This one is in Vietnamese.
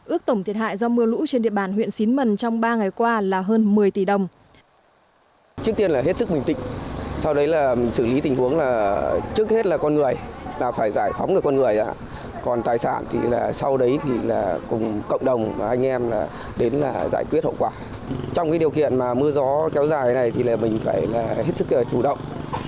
ước tổng thiệt hại do mưa lũ trên địa bàn huyện xín mần trong ba ngày qua là hơn một mươi tỷ đồng